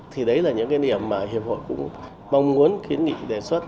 thì đấy là những cái điểm mà hiệp hội cũng mong muốn kiến nghị đề xuất